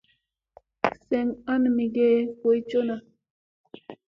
Seŋ ana mi ge boy coo na.